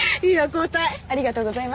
交代ありがとうございます